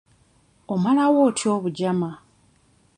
Omalawo otya obujama?